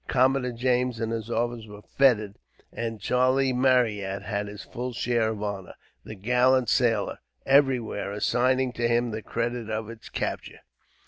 Commodore James and his officers were feted, and Charlie Marryat had his full share of honor; the gallant sailor, everywhere, assigning to him the credit of its capture.